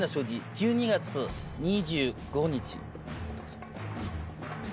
１２月２５日。